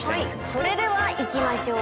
それではいきましょう。